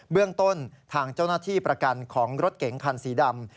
เรื่องต้นทางเจ้าหน้าที่ประกันของรถเก๋งคันสีดำ